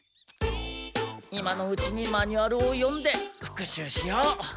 今のうちにマニュアルを読んでふく習しよう。